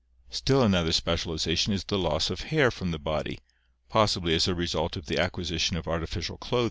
Still another specialization is the loss of hair from the body, possibly as a result of the acquisition of artificial clothing.